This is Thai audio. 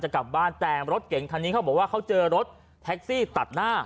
จะกลับบ้านแต่รถเก่งทานนี้แบบว่าเขาเจอรถได้ตัดหน้า